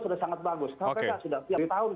sudah sangat bagus kalau tidak sudah